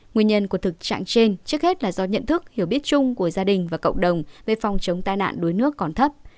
nguyên nhân của thực trạng trên trước hết là do nhận thức hiểu biết chung của gia đình và cộng đồng về phòng chống tai nạn đuối nước còn thấp